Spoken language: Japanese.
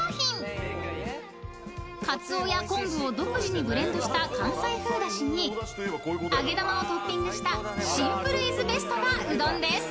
［かつおや昆布を独自にブレンドした関西風だしに揚げ玉をトッピングしたシンプルイズベストなうどんです］